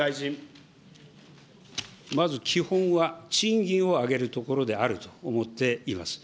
まず基本は、賃金を上げるところであると思っています。